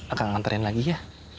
aku nganterin lagi ya